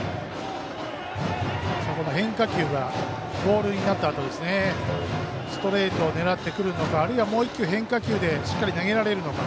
変化球がボールになったあとストレートを狙ってくるのかあるいはもう１球変化球でしっかり投げられるのか。